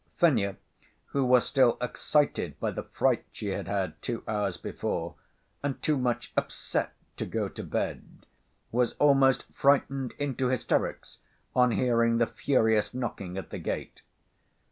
Fenya, who was still excited by the fright she had had two hours before, and too much "upset" to go to bed, was almost frightened into hysterics on hearing the furious knocking at the gate.